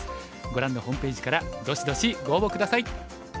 ご覧のホームページからどしどしご応募下さい。